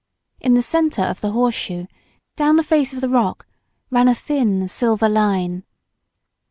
In the centre of the horse shoe, down the face of the rock, ran a thin silver line.